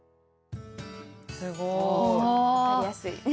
すごい。